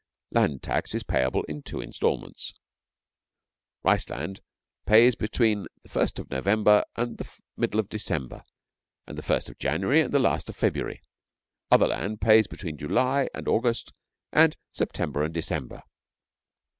Land tax is payable in two instalments. Rice land pays between the 1st November and the middle of December and the 1st January and the last of February. Other land pays between July and August and September and December.